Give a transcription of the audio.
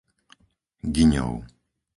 Gyňov